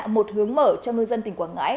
một hướng mở cho ngư dân tỉnh quảng ngãi